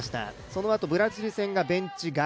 そのあとブラジル戦がベンチ外。